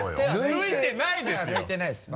抜いてないですよ！